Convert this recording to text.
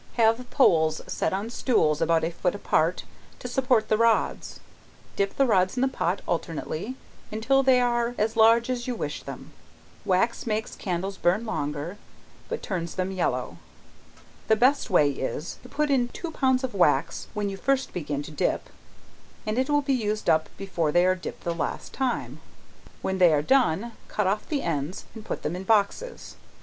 Have poles set on stools about a foot apart, to support the rods, dip the rods in the pot, alternately, until they are as large as you wish them. Wax makes candles burn longer, but turns them yellow. The best way is, to put in two pounds of wax, when you first begin to dip, and it will be used up before they are dipped the last time, when they are done, cut off the ends and put them in boxes.